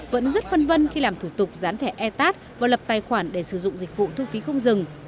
vẫn rất phân vân khi làm thủ tục dán thẻ e tat và lập tài khoản để sử dụng dịch vụ thu phí không dừng